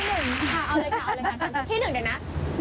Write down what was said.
เอาเลยค่ะที่หนึ่งเดี๋ยวนะ